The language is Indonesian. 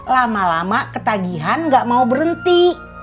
lama lama ketagihan gak mau berhenti